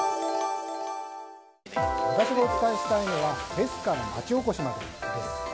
私がお伝えしたいのはフェスから街おこしまで、です。